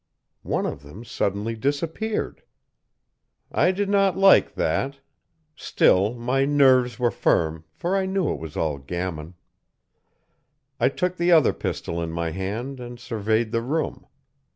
One of them suddenly disappeared! I did not like that, still my nerves were firm, for I knew it was all gammon. I took the other pistol in my hand and surveyed the room.